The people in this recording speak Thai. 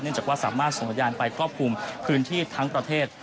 เนื่องจากว่าสอบม่าส่งไฟยานไปครอบคลุมพื้นที่ทั้งประเทศ